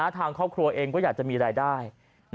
ทางครอบครัวเองก็อยากจะมีรายได้